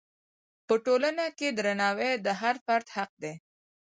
په ټولنه کې درناوی د هر فرد حق دی.